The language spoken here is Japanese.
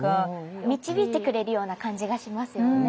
導いてくれるような感じがしますよね